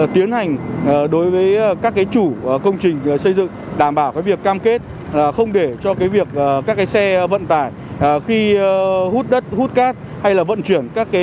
tiến hành đối với các chủ công trình xây dựng đảm bảo việc cam kết không để cho các xe vận tải khi hút đất hút cát hay là vận chuyển các công trình